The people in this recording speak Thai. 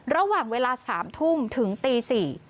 ระหว่างเวลา๓ทุ่มถึงตี๔